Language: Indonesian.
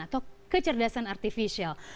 atau kecerdasan artificial